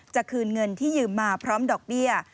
จะคืนเงินที่ยืมมาพร้อมดอกเบี้ย